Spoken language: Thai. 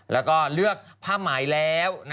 แล้วก็เลือกผ้าหมายแล้ว